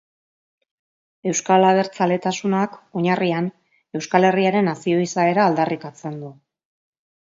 Euskal abertzaletasunak, oinarrian, Euskal Herriaren nazio izaera aldarrikatzen du.